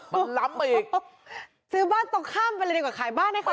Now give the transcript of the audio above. มันล้ำมาอีกซื้อบ้านตรงข้ามไปเลยดีกว่าขายบ้านให้เขา